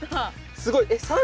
すごいね。